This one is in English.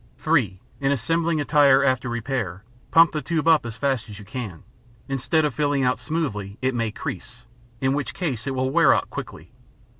(3) In assembling a tire after repair, pump the tube up as fast as you can. Instead of filling out smoothly, it may crease, in which case it will wear out quickly.